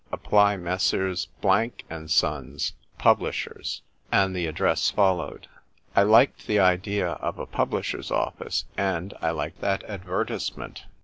Apply, Messrs. Blank and Sons, Publishers," — and the address followed. I liked the idea of a publisher's office, and I liked that advertisement.